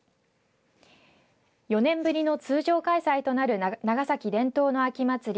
４年ぶりの通常開催となる長崎伝統の秋祭り